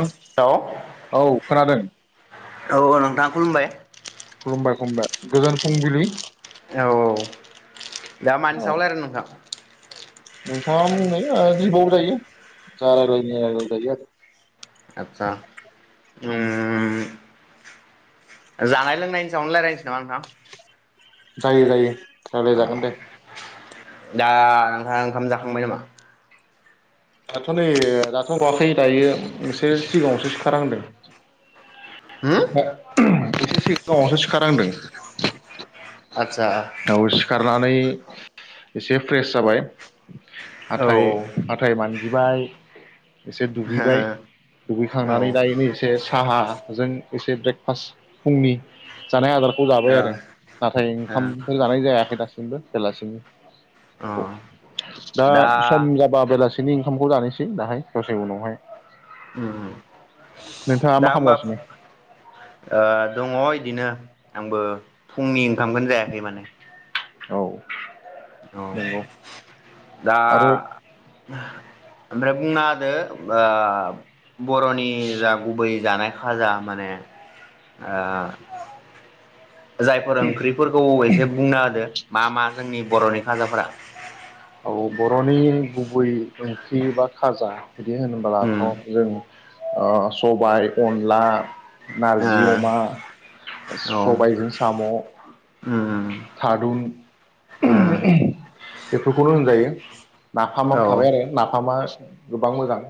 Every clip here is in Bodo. आं औ खोनादों। औ नोंथां खुलुमबाय। खुलुमबाय खुलुमबाय। गोजोन फुंंबिलि। औ औ दा मानि सायाव रायलायनो नोंथां? नोंथाङा बुंदो ओ जिबौ जायो जार ओरैनो आगोल जायो आरो आदचा उम जानाय लोंनायनि सायावनो लायराय नामा नोंथां? जायो जायो। रायलाय जागोन दे अ दा नोंहाओंखाम जाखांबाय नामा दाथ' नै जाथ' बवाखै दायो एसे सिगाङावसो सोखा नांदों होम ओ एसे सिगाङावावसो सिखा दांदों आदसा दाउ सिखारनानै एसे फ्रेस जाबाय औ हाथाय मानजिबाय एसे दुगैबाय औ ओ दुगैखांनानै दायो एनै एसे साहाजों एसे ब्रेकफास्ट फुंनि जानाय आदारखौ जाबाय आरो ओ नाथाय अ ओंखामफोर जानाय जायाखै दासिमबो बेलासिनि बे दा सम जाबा बेलासि बिसोरनि ओंखामखौ जानोसै दाहाय दसे उनावहाय उम नोंथाङा दा मा होमबा खालामगासिनो ओ दङ बिनो आंबो फुंनि ओंखामखौनो जायाखै माने औ औ नंगौ दा आरो [unintelligible] बुंना होदो आ बर'नि जा गुबै जानाय भाजा माने जायफोर ओंख्रिफोरखौ एसे बुंना होदो मा मा जोंनि बर'नि फाजाफ्रा औ बर'नि गुबै ओंख्रि बा खाजा बिदि होनब्लाथ' उम जों अ सबाइ अनला ओ औ नारजि अमा सबायजों साम' उम थारुन उम बेफोरखौनो होनजायो। औ नाफामाव औ थाबाय आरो नाफ आमास गोबां मोजां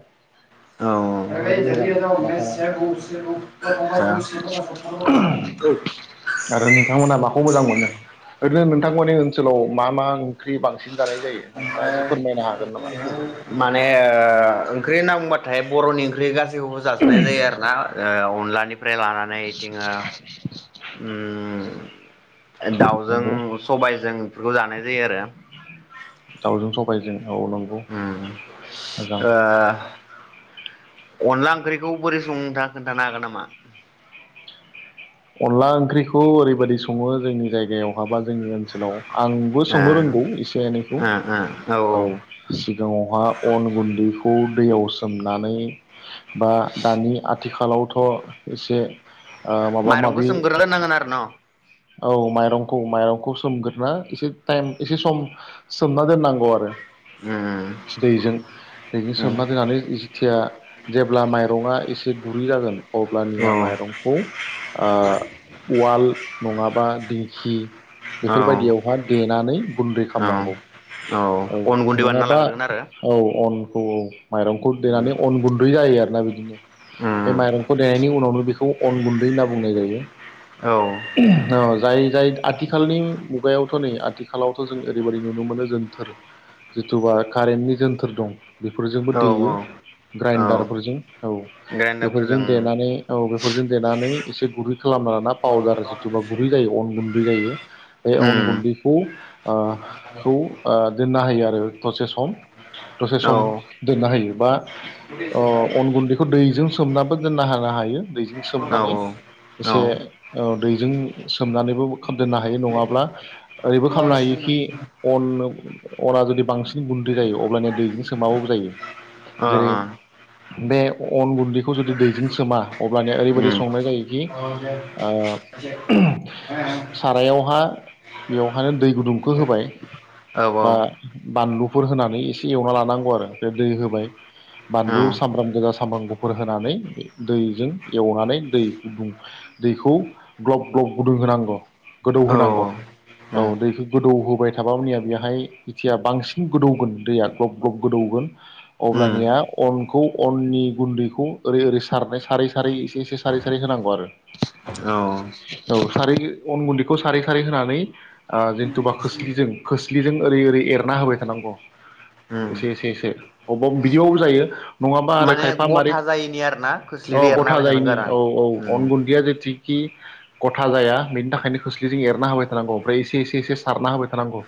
जोबोद मोजां नाफामा [unintelligible] खौ मोजां मोनो। ओरैनो नोंथांमोनि ओनसोलाव मा मा ओंख्रि बांसिन जानाय जायो? नोंथाङा एसे फोरमायनो हागोन नामा ओमफ्राय माने ओ ख्रै होनना बुंबाथाय बर'नि ओख्रि गास खौबो जाजोबनाय जायो आरोना ओ अनला फ्राय लानानै इथिं ओ उम दाउजों नंगौ सबाइजों बेफोरखौ जानाय जायो आरो दाउजों सबायजों औ नंगौ उम मोजां ओ अनला ओंख्रिखौ बोरै संङो नोंथाङा खोनथानो हागोन नामा? अनला ओंख्रिखौ ओरैबायदि सङो जोंनि जायगायावहा बा जोंनि ओनसोलाव आंबो ओ संनो रोंगौ इसे एनैखौ ओ औ सिगाङावहा अन गुन्दैखौ दैयाव सोमनानै बा दानि आद थिखालावथ' इसे माबा माइरंखौ माबि सोमग्रोना दोननांगोन आरो न' औ माइरंखौ माइरं खौ सोमग्रोना एसे टाइम एसे सम सोमना दोननांगौ आरो उम दैजों दैजों उम औ सोमना दोनानै जिथिया जेब्ला माइरङा इसे गुरै जागोन। औ अब्लानिया माइरंखौ ओ उवाल नङाबा दिंखि औ बेफोरबायदियावहा देनानै गुन्दै औ खामनांगौ औ अन गुन्दै बानायना नङाबा लाग्रोगोन आरो औ अन औ औ माइरंखौ उम देनानै अन गुन्दै जायो आरो दा बिदिनो बे उम माइरंखौ देनायनि उनावनो बेख खौ अन गुन्दै होना बुंनाय जायो। औ औ जाय जाय आथिखालनि मुगायावथ' नै आथिखालावथ' जों ओरैबायदि नुनो मोनो जोनथोर जिथुबा कारेन्टनि जोनथोर दं। बेफोरजोंबो औ देयो औ ग्राइन्डारफोरजों औ ग्राइन्डारफोरजों बेफोरजों देनानै औ बेफोरजों देनानै एसे गुरै खालामना लाना पावदार जिथुबा गुरै जायो अन गुन्द [unintelligible] जायो। बे अन उम गुन्दखौ ओ खौ ओ दोननो हायो आरो दसे सम। दसे औ सम दोननो हायो बा अ अन गुन्दैखौ दैजों सोमनाबो दोननो हानो हायो दैजों। औ सोमनानै औ एसे औ दैजों सोमनानैबो दोननो हायो नङाब्ला ओरैबो अ खालामनो हायोखि अन अना जुदि बांसिन गुन्दै जायो अबब्लानिया दैजों सोमाबाबो जायो जेरै बे अन गुन्दैखौ जुदि दैजों सोमा अब्लानिया ओरैबायदि उम संनाय जायो। ओ सारायावहा बेवहानो दै गुदुंखौ होबाय औ बा बानलुफोर होनानै एसे एवना लानांगौ आरो बे दै होबाय बानलु औ सामब्राम गोजा सामब्राम गुफुर होनानै दैजों एवनानै दै गुदुं दैखौ ग्लब ग्लब गुदुं होनांगौ गोदौ औ होनांगौ औ दैखौ गोदौ होबाय थाबायनिया बेहाय जेथिया बांसिन गोदौगोन दैया ग्लब ग्लब गोदौगोन उम अब्लानिया अनखौ अननि गुन्दैखौ ओरै ओरै सारनाय सारै सारै एसे एसे सारै सारै होनांगौ आरो औ औ सारै अन गुन्दैखौ सारै खारै होनानै जेनथुबा खोस्लिजों खोस्लिजों ओरै ओरै एरना होबाय थानांगौ। उम एसे एसे एसे। अबब बिदिबाबो जायो। नङाबा आरो माने खायफा मारै गथा जायैनि आरोना अ खोस्लिदो एरना गथा होबाय थानांगो जायैनि आरो। औ औ उम अन गुन्दिया जेथि खि गथा जाया बेनि थाखायनो खोस्लिजों एरना होबाय थानांगौ ओमफ्राय एसे एसे एसे सारना होबाय थानांगौ।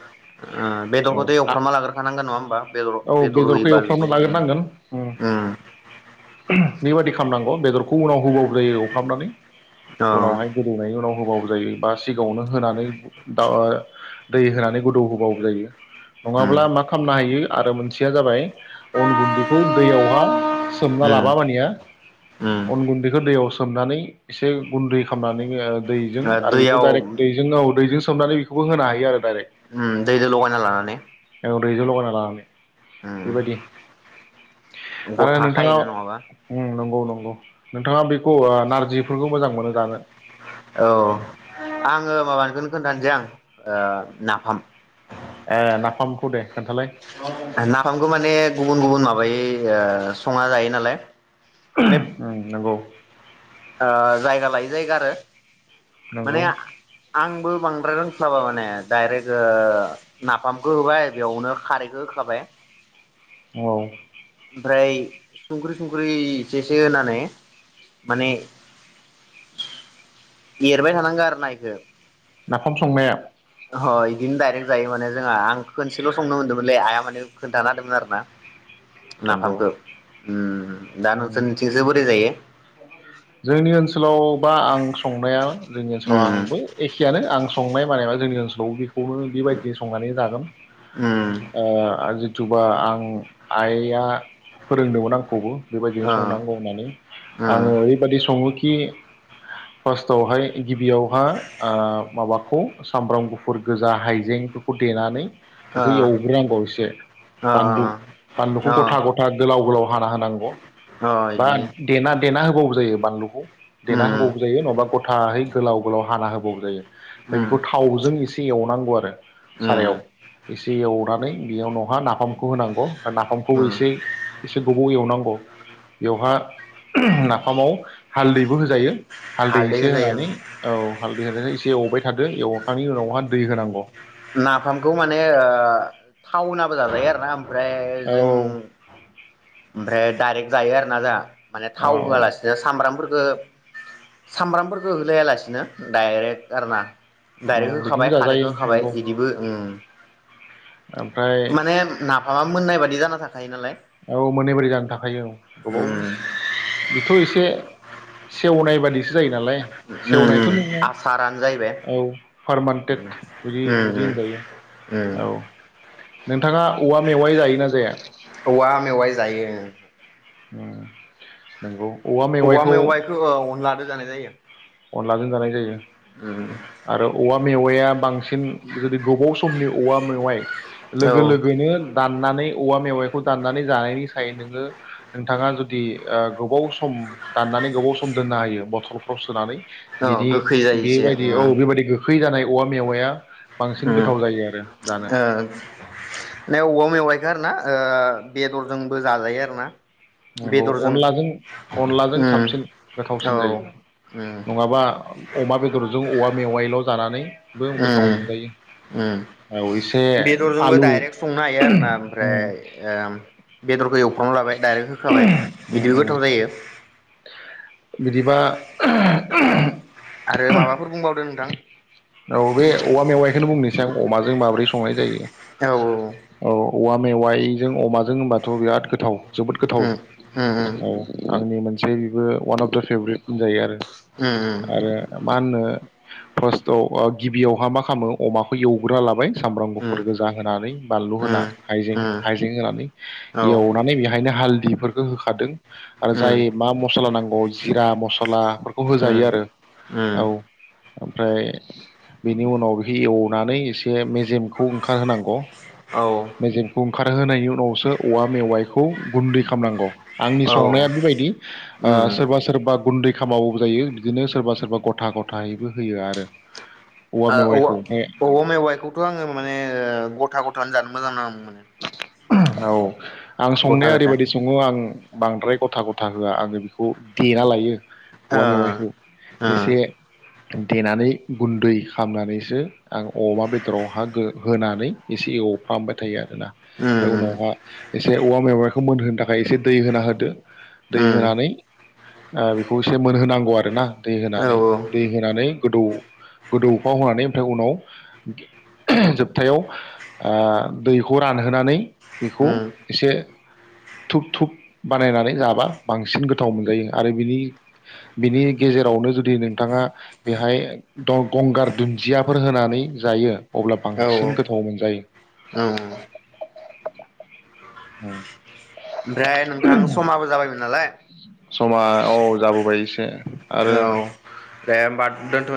ओ बेदरखौथ' औ एवफ्र्रामा लाग्रखानांगोन नङा होमबा बेदर औ बेदर बेदरखौ होयोबा एवफ्रामना जुदि लाग्रोनांगोन उम ङ। बेबादि खालामनांगौ बेदरखौ उनाव होबाव नांगौ जायो एवफ्रामनानै औ उनावहाय गोदौनायनि उनाव होबाबो जायो बा सिगाङावनो होनानै दा दै होनानै गोदौहोबाबो जायो उम नङाब्ला मा खालामनो हायो आरो मोनसेया जाबाय गुन्दैखौ दैयावहा सोमना उम लाबा मानिया उम अन गुन्दै खो दैयाव सोमनानै एसे गुन्दै खालामनानै ओ दैजों आरो बेखौ दैयाव डाइरेक्ट दैजों [unintelligible] दैजों सोमनानै बेखौबो होनो हायो आरो डाइरेक्ट। होम दै लगायना लानानै औ दैजों लगायना लानानै उम बेबायदि। आरो गथा नोंथाङा खायोना नङाबा उम नंगौ नंगौ। [unintelligible] नोंथाङा बेखौ ओ नारजिफोरखौ मोजां मोनो जानो? औ आङो माबानायखौनो खोन्थानोसै आं ओ नाफाम। ओ नाफामखौ दे। खोन्थालाय नाफामखौ माने गुबुन गुबुन माबायै ओ संना जायो नालाय। माने नंगौ। ओ जायगा लायोै जायगा आरो माने नंगौ आंबो बांद्राय रोंस्लाबा माने डायरेक्ट ओ नाफामखौ होबाय बेयावनो खारैखौ होखाबाय। औ ओमफ्राय संख्रि संख्रि एसे एसे होनानै माने एरबाय थानांगौ आरो ना इखौ। नाफाम संनाया अ इदिनो दडाइरेक्ट जायो माने जोंहा आं खनसेल' संनो मोन्दोंमोनलै आइया माने खोन्थानो हादोंमोन आरो ना। नंगौ नाफामखौ उम दा उम नोंसोरनिथिंजों बोरै जायो? [inaudible] जोंनि ओनसोलाव बा आं संनाया जोंनि ओनसोलाव उम आंबो एखेयानो आं संनाय माने मा जोंनि ओनसोलाव बे खौनो बेबायदि संनानै जागोन उम ओ‌ आजि तुबा आं आइआ फोरोंदोंमोन आंखौबो। बेबायदिनो ओ संनांगौ होननानै ओ आंङो संङोखि फास्टआवहाय गिबियावहा ओ माबाखौ सामब्राम गुफुर गोजा हाइजेंफोरखौ देनानै बेखौ एवग्रोनांगौसो एसे ओ बानलु बानलुखौ ओ गथा गथा गोलाव गोलाव हाना होनांगौ ओ अ बा इदिनो देना देना होबाबो बानलुखौ देना उम होबाबो जायो नङाबा ग गथाहै गोलाव गोलाव हाना होबाबो जायो। फाय उम बेखौ थावजों एसे एसे एवनांगौ आरो उम सारायाव। इसे एवनानै बेयाव नहा नाफाम खौ होनांगौ बा नाफामखौ उम एसे एसे गोबाव एवनांगौ। बेवहा उम नाफामाव हालदैबो होजायो हालदै इसे होजायो होनानै ओं औ हालदै होनानै इसे एवबाय थादो एवनायनि उनावहा दै होनांगौ। थाव होनाबो जाजायो आरोना? ओमफ्राय औ जों ओमफ्राय दारेक्ट जायो आरोना जाहा। माने औ थाव होआलासिनो सामब्रामफोर खो सामब्रामफोरखो होलाया लासिनो दायरेक्ट आरोना। दायरेक्ट बिदिबो होखाबाय खारैखो जाजायो होखाबाय नंगौ बो उम। ओमफ्राय माबा मोननाय बादि जाना था औ मोननाय बायदि जाना थाखायो औ गोबाव उम बिथ' इसे सेवनाय बादिसो जायो नालाय उम सेवनायथ' नङा उम आसारानो जाहैबाय औ उम फारमानटेट बिदि बिदि उम होनजायो। औ उम नोंथाङा औवा मेवाइ जायोना जाया? औवा मेवाइ जायो। उम नोंगौ। औवा मेवाइखौ अनलादो जानाय जायो। अनलाजों जानाय जायो। [inaudible] आरो औवा मेवाइया बांसिन जुदि गोबाव समनि औवा मेवाइ औ लोगो लोगोनो दाननानै औवा मेवाइखौ दाननानै जानायनि सायाव नोङो नोंथाङा जुदि ओ गोबाव सम दाननानै गोबाव सम दोननो हायो बथलफ्राव सोनानै औ बिदि गोखै जायो एसे। बेबायदि औ उम बेबायदि गो खै जानाय औवा मेवाइया उम ओ [unintelligible] औवा‌ मेवाइ आरोना बेदरजोंबो जाजायो आरोना। नोंगौ अनलाजों अनलाजों उम साबसिन औ गोथावसिन जायो। उम नङाबा अमा बेदरजों औवा मेवाइल' जानानै उम उम औ एसे उम बेदरजोंबो आलु दाइरेक्ट संनो हायो आरोना उम ओमफ्राय ओम बेदरखौ एव खांना लाबाय दाइरेक्ट होखाबाय उम बिदिबो उम गोथाव जायो। बिदिबा [inaudible] आरो माबाफोर बुंबावदो नोंथां। औ बे औवा मेवाइखौनो बुंनि अमाजों माब्रै संनाय जायो। औ औ। औवा मेवाइजों अमाजों होनबाथ' बिराद गोथाव जोबोद गोथाव उम उम औ आंनि बेबो अवान अफ दा फेभरेट होनजायो आरो उम आरो मा होननो [unintelligible] औ ओ गिबियावहा मा खालामो अमाखौ एवग्रोना लाबाय - सामब्राम उम गुफुर गोजा होनानै बानलु होना उम हाइजें हाइजें होनानै औ एवनानै बेहायनो हालददि फोरखो होखादों आरो उम जाय मा मस्ला नांगौ जिरा मसलाफोरखौ होजायो आरो औ उम उम ओमफ्राय बेनि उनाव बेखौ एवनानै एसे से मेजेमखौ ओंखार होनांगौ औ मेजेमखौ खार होनायनि उनावसो औवा मेवाइखौ गुन्दै खालामनांगौ आंनि औ संनाया बेबायदि ओ सोरबा सोरबा गुन्दै मोबाइल जायो बिदिनो सोरबा सोरबा गथा गथायैबो होयो आरो औवा ओ औ मेवाइखौ ओमफ्राय औया मेवाइखौथ' आङो माने गथा गथ ओंखाम जानो मोजां नाङामोन माने। औ आं गथा संनाया गथा ओरैबायदि सङो आं बांद्राय गथा गथा होआ आङो बेखौ देना लायो। औवामेवाइखौ ओ ओ एसे देनानै गुन्दै खालामनानैसो आं अमा बेदराव होनानै एसे एवफामबाय थायो आरो। औ उम उनावहा एसे औवा मेवाइखौ मोनहोनो थाखाय एसे दै होना होदो। दै उम उम होनानै ओं बेखौ एसे मोनहोनांगौ आरोना। दै औ होनानै दै होनानै गोदौ गोदौफाव होनानै ओमफ्राय उनाव जोबथायाव दै खौ रानहोनानै बेखौ उम एसे धुप धुप बानायनानै जाबा बांसिन गोथाव मोनजायो आरो बिनि बिनि गेजेरावनो जुदि नोंथाङा बेहाय गंगार दुन्दियाफोर होनानै जायो अब्ला औ बांसिन औ गोथाव मोनजायो। औ उम ओमफ्राय नोंथां समाबो जाबायमोन नालाय। समा औ जाबोबाय एसे। आरो औ देनबा। दोनथ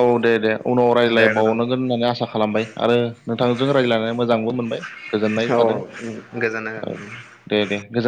औ दे दे उनाव दे रायज्लायबावनांगोन गोजोन्थों। होननानै आसा खालामबाय आरो नोंथांजों रायज्लायनानै मोजांबो मोनबाय। गोजोननाय औ ओ थादों गोजोनो औ ओ। दे दे गोजोन